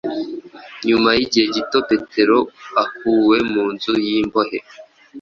Nyuma y’igihe gito Petero akuwe mu nzu y’imbohe,